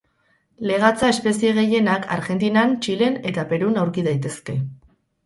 Legatza espezie gehienak Argentinan, Txilen eta Perun aurki daitezke.